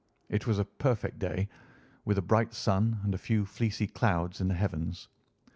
It was a perfect day, with a bright sun and a few fleecy clouds in the heavens.